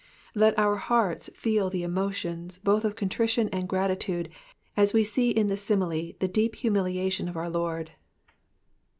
Let our hearts feel the emotions, both of contrition and gratitude, as we see in this simile the deep humiliation of our Lord.